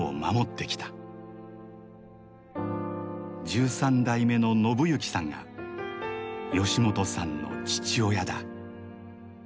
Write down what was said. １３代目の信幸さんが吉本さんの父親だ。